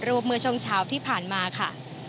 เมื่อช่วงเช้าที่ผ่านมาค่ะ